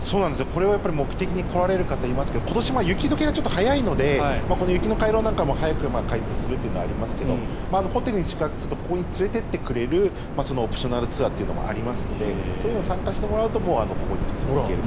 これを目的に来られる方いますけど今年、雪解けが早いので雪の回廊なんかも早く開通するというのはありますけどホテルに宿泊するとここに連れていってくれるオプショナルツアーというのもありますのでそういうのに参加してもらうとここに行けると。